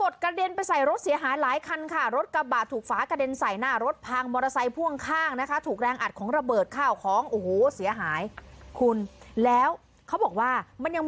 แตกหักครึ่งอย่างนี้เลย